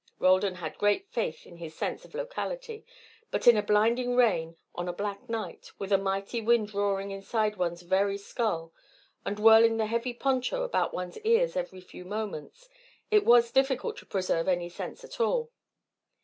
Roldan had great faith in his sense of locality, but in a blinding rain on a black night with a mighty wind roaring inside one's very skull, and whirling the heavy poncho about one's ears every few moments, it was difficult to preserve any sense at all.